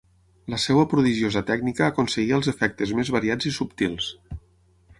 La seva prodigiosa tècnica aconseguia els efectes més variats i subtils.